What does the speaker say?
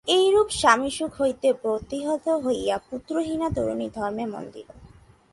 এইরূপ স্বামীসুখ হইতে প্রতিহত হইয়া পুত্রহীনা তরুণী ধর্মে মন দিল।